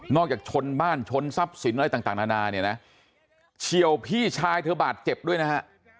จากชนบ้านชนทรัพย์สินอะไรต่างนานาเนี่ยนะเฉียวพี่ชายเธอบาดเจ็บด้วยนะฮะ